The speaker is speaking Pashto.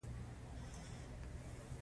دوی تل د خوړو د کمښت سره مخ وو.